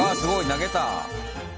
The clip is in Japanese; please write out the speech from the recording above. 投げた。